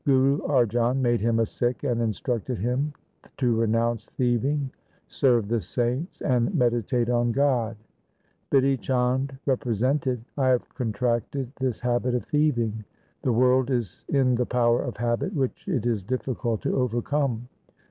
Guru Arjan made him a Sikh and instructed him to renounce thieving, serve the saints, and medi tate on God. Bidhi Chand represented, ' I have con tracted this habit of thieving. The world is in the power of habit, which it is difficult to overcome.'